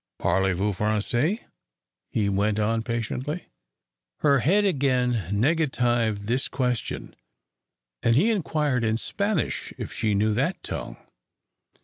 "Parlez vous français?" he went on, patiently. Her head again negatived this question, and he inquired in Spanish if she knew that tongue.